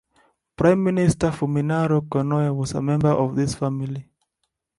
Prime Minister Fumimaro Konoe was a member of this family.